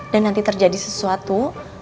dan nanti terjadi sesuatu